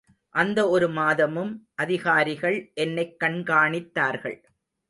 அந்த ஒரு மாதமும் அதிகாரிகள் என்னைக் கண்காணித்தார்கள்.